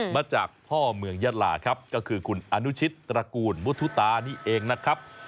มาจากพ่อเมืองยาลาครับก็คือคุณอนุชิตตระกูลมุทุตานี่เองนะครับ